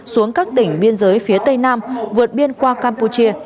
xuống các tỉnh biên giới phía tây nam vượt biên qua campuchia